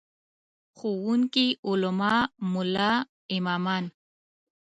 ښوونکي، علما، ملا امامان.